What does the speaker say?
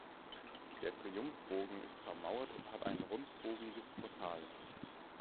Der Triumphbogen ist vermauert und hat ein rundbogiges Portal.